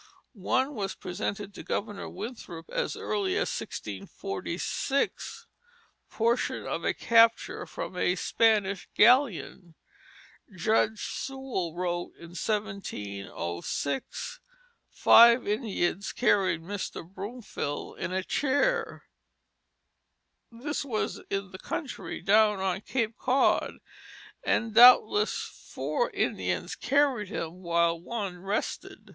One was presented to Governor Winthrop as early as 1646, portion of a capture from a Spanish galleon. Judge Sewall wrote in 1706, "Five Indians carried Mr. Bromfield in a chair." This was in the country, down on Cape Cod, and doubtless four Indians carried him while one rested.